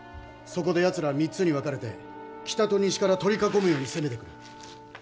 そこでヤツらは３つに分かれて北と西から取り囲むように攻めてくる。